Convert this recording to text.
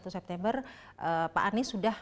september pak anies sudah